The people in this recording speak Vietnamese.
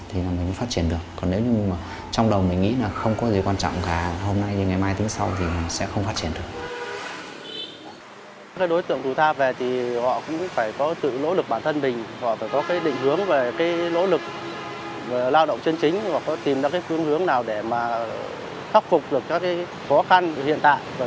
họ phải tìm ra phương hướng nào để khắc phục được các khó khăn hiện tại